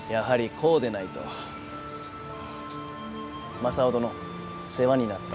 正雄殿世話になった。